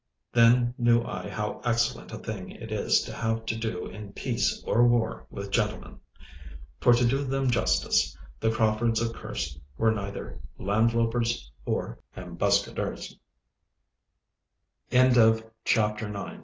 Then knew I how excellent a thing it is to have to do in peace or war with gentlemen. For to do them justice, the Craufords of Kerse were neither landloupers nor ambuscad